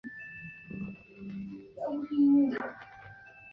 佩勒雷人口变化图示